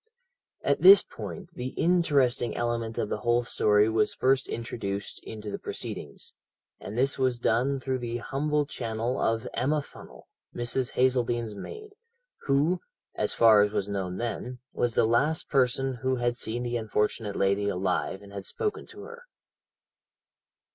"At this point the interesting element of the whole story was first introduced into the proceedings, and this was done through the humble channel of Emma Funnel, Mrs. Hazeldene's maid, who, as far as was known then, was the last person who had seen the unfortunate lady alive and had spoken to her.